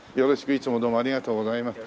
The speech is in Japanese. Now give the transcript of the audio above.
いつもどうもありがとうございます。